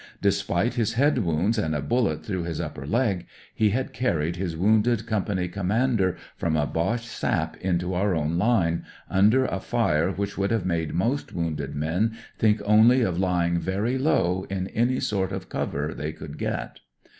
Despite his head wounds and a bullet through his upper leg he had carried his wounded Company Commander from a Boche sap into our own Une, under a fire which would have made most wounded men think only of lying very low, in any sort of cover they could get.